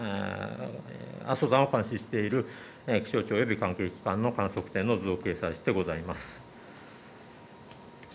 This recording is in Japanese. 阿蘇山を監視している気象庁及び関係機関の観測点の図を掲載してございます。